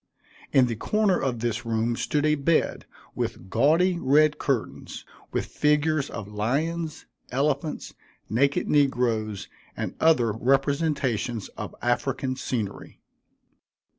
In the corner of this room stood a bed with gaudy red curtains, with figures of lions, elephants, naked negroes, and other representations of African scenery.